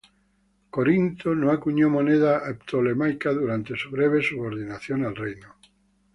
Corinto no acuñó moneda ptolemaica durante su breve subordinación al reino.